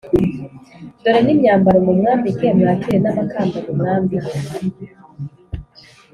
dore n’imyambaro mumwambike, mwakire n’amakamba mumwambike.’